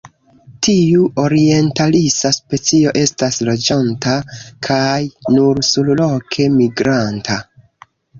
Tiu orientalisa specio estas loĝanta kaj nur surloke migranta.